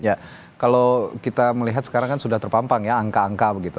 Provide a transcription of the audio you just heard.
ya kalau kita melihat sekarang kan sudah terpampang ya angka angka begitu